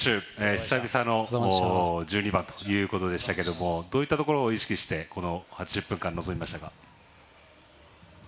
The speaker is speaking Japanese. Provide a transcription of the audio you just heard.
久々の１２番ということでしたがどういったところを意識してこの８０分間、臨みましたか？